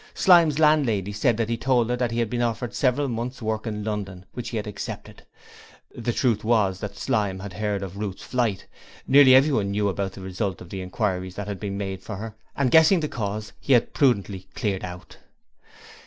Slyme's landlady said he had told her that he had been offered several months' work in London, which he had accepted. The truth was that Slyme had heard of Ruth's flight nearly everyone knew about it as a result of the inquiries that had been made for her and, guessing the cause, he had prudently cleared out.